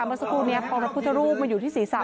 เมื่อสักครู่นี้พอพระพุทธรูปมาอยู่ที่ศีรษะ